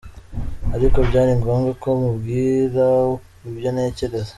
Ariko byari ngombwa ko mubwira ibyo ntekereza.